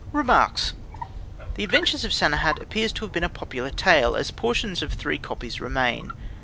_ Remarks The Adventures of Sanehat appears to have been a popular tale, as portions of three copies remain.